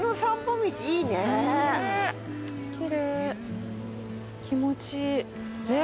きれい気持ちいい。ねぇ。